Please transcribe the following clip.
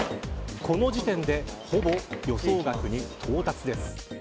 この時点でほぼ予想額に到達です。